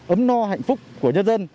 ấm no hạnh phúc của nhân dân